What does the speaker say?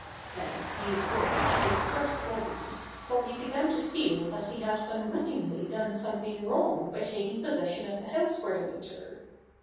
Now these words distressed Bobby, for he began to feel that he had unwittingly done something wrong by taking possession of the house for the winter.